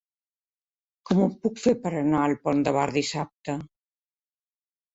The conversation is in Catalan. Com ho puc fer per anar al Pont de Bar dissabte?